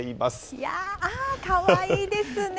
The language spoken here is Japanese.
いやー、あー、かわいいですね。